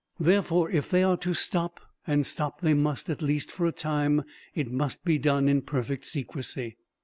Therefore if they are to stop, and stop they must, at least for a time, it must be done in perfect secrecy.